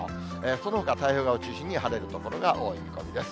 そのほか太平洋側を中心に、晴れる所が多い見込みです。